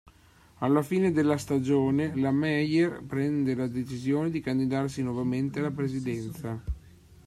Alla fine della stagione la Meyer prende la decisione di candidarsi nuovamente alla Presidenza.